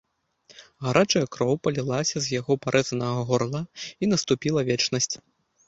Гарачая кроў палілася з яго парэзанага горла, і наступіла вечнасць.